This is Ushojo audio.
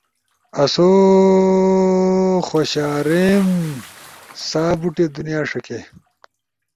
آسو خوشاریم سا بوٹے دنیا ݜکے۔